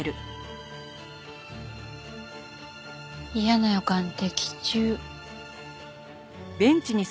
嫌な予感的中。